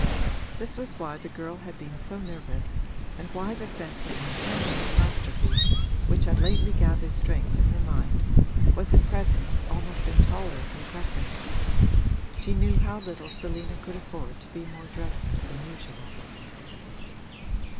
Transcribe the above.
This was why the girl had been so nervous and why the sense of an impending catastrophe, which had lately gathered strength in her mind, was at present almost intolerably pressing: she knew how little Selina could afford to be more dreadful than usual.